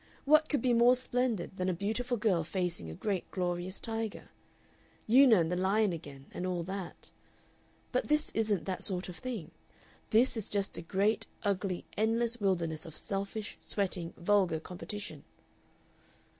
What could be more splendid than a beautiful girl facing a great, glorious tiger? Una and the Lion again, and all that! But this isn't that sort of thing; this is just a great, ugly, endless wilderness of selfish, sweating, vulgar competition!"